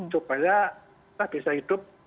supaya kita bisa hidup